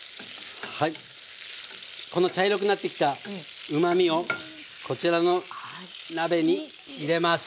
この茶色くなってきたうまみをこちらの鍋に入れます。